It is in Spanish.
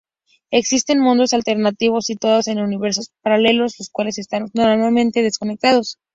Existen mundos alternativos situados en universos paralelos, los cuales están normalmente desconectados.